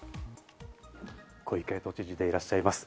小池都知事でいらっしゃいます。